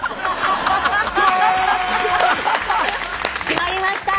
決まりました！